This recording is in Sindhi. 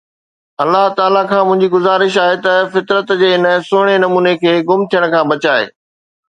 الله تعاليٰ کان منهنجي گذارش آهي ته فطرت جي هن سهڻي نموني کي گم ٿيڻ کان بچائي